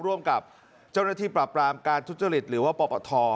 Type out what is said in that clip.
ร่วมกับเจ้าหน้าที่ปราบรามการทุจริตหรือว่าปปท